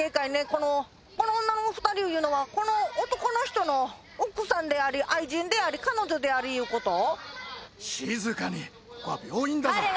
このこの女の２人いうのはこの男の人の奥さんであり愛人であり彼女でありいうこと？